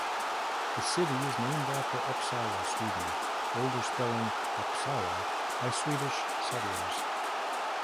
The city is named after Uppsala, Sweden, older spelling Upsala, by Swedish settlers.